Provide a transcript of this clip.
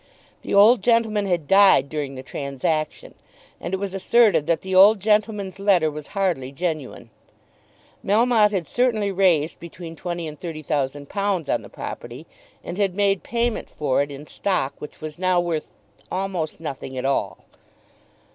The old gentleman had died during the transaction, and it was asserted that the old gentleman's letter was hardly genuine. Melmotte had certainly raised between twenty and thirty thousand pounds on the property, and had made payments for it in stock which was now worth almost nothing at all.